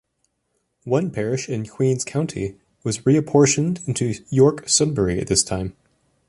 One parish in Queens county was reapportioned into York-Sunbury at this time.